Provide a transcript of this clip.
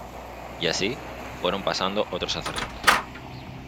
Y asi, fueron pasando otros sacerdotes.